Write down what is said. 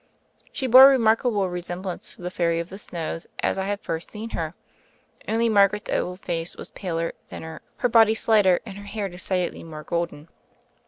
She bore a remark able resemblance to the Fairy of the Snows as I had first seen her, only Marearet's oval face was paler, thinner, her body slighter, and her hair decidedly more golden.